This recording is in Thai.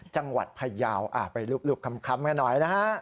จังหวัดพะเยาว์ไปลุบคำหน่อยนะฮะ